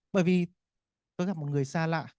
bởi vì tôi gặp một người xa lạ